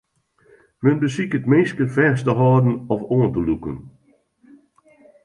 Men besiket minsken fêst te hâlden of oan te lûken.